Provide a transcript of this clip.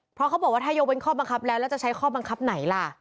เพราะเขาบอกว่าถ้ายกเว้นข้อบังคับแล้วแล้วจะใช้ข้อบังคับไหนล่ะ